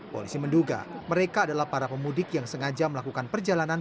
polisi menduga mereka adalah para pemudik yang sengaja melakukan perjalanan